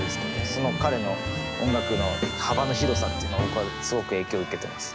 その彼の音楽の幅の広さっていうのを僕はすごく影響を受けてます。